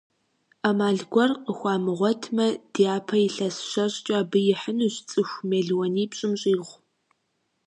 Ӏэмал гуэр къыхуамыгъуэтмэ, дяпэ илъэс щэщӀкӀэ абы ихьынущ цӏыху мелуанипщӀым щӀигъу.